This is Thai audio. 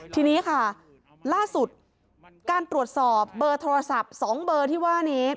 ทีนี้ค่ะล่าสุดการตรวจสอบเบอร์โทรศัพท์๒เบอร์ที่ว่านี้